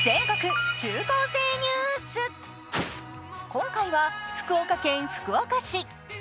今回は福岡県福岡市。